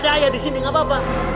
ada ayah disini gak apa apa